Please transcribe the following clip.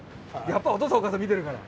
やっぱりお父さんお母さん見てるから。